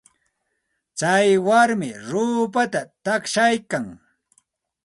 Tsay warmi ruupata taqshaykan.